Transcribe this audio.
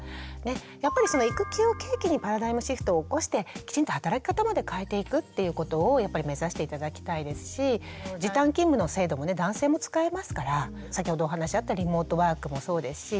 やっぱり育休を契機にパラダイムシフトを起こしてきちんと働き方まで変えていくっていうことを目指して頂きたいですし時短勤務の制度もね男性も使えますから先ほどお話あったリモートワークもそうですし時短勤務